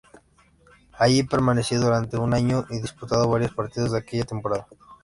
Allí permaneció durante un año y disputando varios partidos de aquella temporada.